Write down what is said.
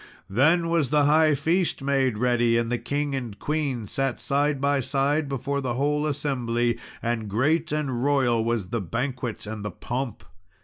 Then was the high feast made ready, and the king and queen sat side by side, before the whole assembly; and great and royal was the banquet and the pomp.